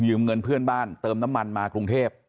เงินเพื่อนบ้านเติมน้ำมันมากรุงเทพ